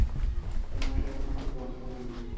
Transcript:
তোমাকে এখন একটা গল্প বলবো।